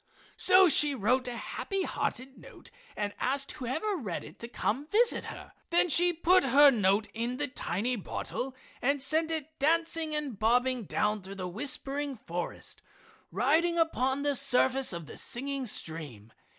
So she wrote a happy hearted note and asked whoever read it to come and visit her. Then she put her note in the tiny bottle and sent it dancing and bobbing down through the whispering forest, riding upon the surface of the singing stream.